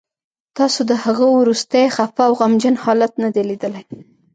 تاسو د هغه وروستی خفه او غمجن حالت نه دی لیدلی